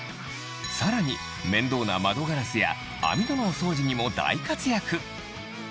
さらに面倒な窓ガラスや網戸のお掃除にも大活躍